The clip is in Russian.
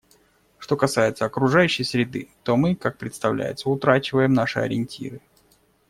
Что касается окружающей среды, то мы, как представляется, утрачиваем наши ориентиры.